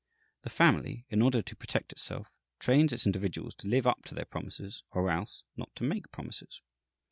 The family, in order to protect itself, trains its individuals to live up to their promises, or else not to make promises.